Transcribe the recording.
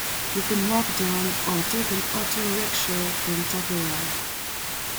You can walk down or take an auto rickshaw from Takari.